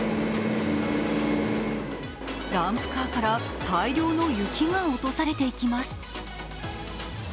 ダンプカーから大量の雪が落とされていきます。